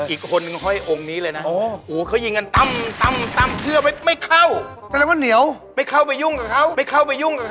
อีกคนคนก็คือองค์นี้เลยนะอู๋เคยยิงกันตำเคลือไม่เข้า